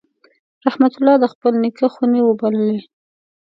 رحمت الله د خپل نیکه خونې وبللې.